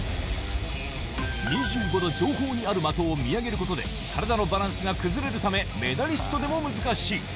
２５度上方にある的を見上げることで、体のバランスが崩れるため、メダリストでも難しい。